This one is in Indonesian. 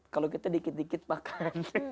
kalau kita dikit dikit bakar